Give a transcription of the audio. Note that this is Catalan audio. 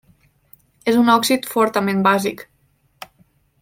És un òxid fortament bàsic.